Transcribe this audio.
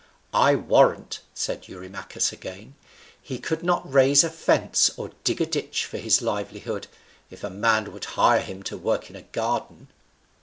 "I warrant," said Eurymachus again, "he could not raise a fence or dig a ditch for his livelihood, if a man would hire him to work in a garden."